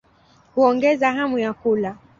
Huongeza hamu ya kula.